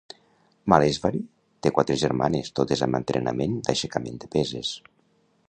Malleswari té quatre germanes totes amb entrenament d'aixecament de peses.